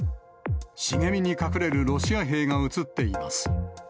茂みに隠れるロシア兵が写っています。